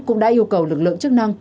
cũng đã yêu cầu lực lượng chức năng